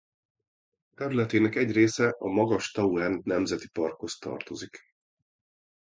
Területének egy része a Magas-Tauern Nemzeti Parkhoz tartozik.